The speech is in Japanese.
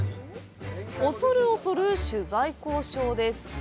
恐る恐る取材交渉です。